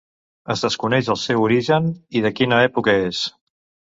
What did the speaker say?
Es desconeix el seu origen i de quina època és.